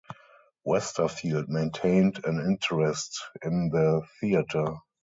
Westerfield maintained an interest in the theatre.